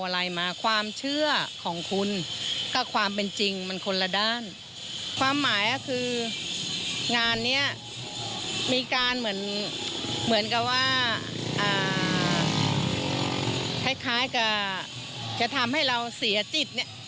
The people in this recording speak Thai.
อะไรเหมือนกับว่าคล้ายกับจะทำให้เราเสียจิตเนี่ย